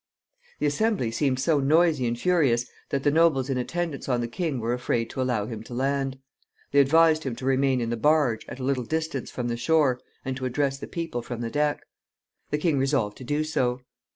The assembly seemed so noisy and furious that the nobles in attendance on the king were afraid to allow him to land. They advised him to remain in the barge, at a little distance from the shore, and to address the people from the deck. The king resolved to do so.